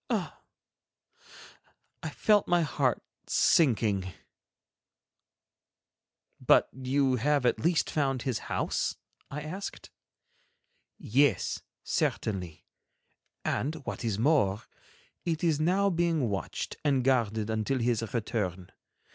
Ah! I felt my heart sinking. "But you have at least found his house?" I asked. "Yes, certainly; and what is more, it is now being watched and guarded until his return.